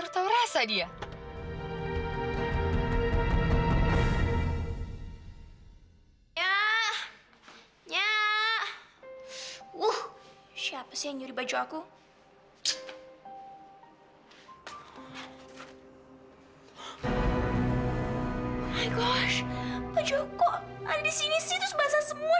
terus basah semua